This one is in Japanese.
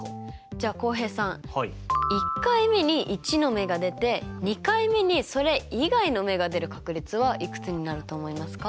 じゃあ浩平さん１回目に１の目が出て２回目にそれ以外の目が出る確率はいくつになると思いますか？